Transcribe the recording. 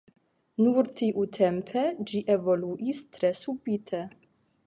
Nur tiutempe ĝi evoluis tre subite.